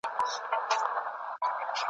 چي مي زړه ته رانیژدې وي هغه ټول راڅخه تللي `